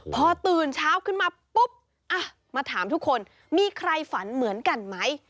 พอตื่นเช้าขึ้นมาปุ๊บมาถามทุกคนมีใครฝันเหมือนกันไหม